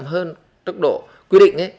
hơn tốc độ quy định